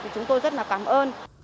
chúng tôi rất là cảm ơn